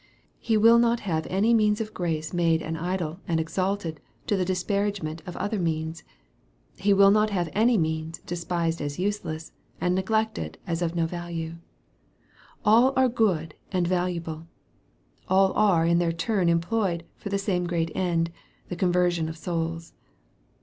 He will not have any means of grace made an idol and exalted, to the disparagement of other means. He will not have any means despised as useless, and neglected as of no value. All are good and valuable. All are in their turn employed for the same great end, the conversion of souls.